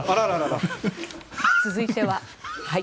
続いては。